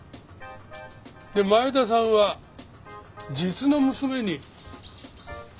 で前田さんは実の娘に。